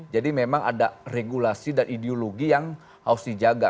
jadi memang ada regulasi dan ideologi yang harus dijaga